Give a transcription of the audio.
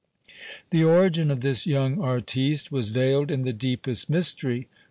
The origin of this young artiste was veiled in the deepest mystery.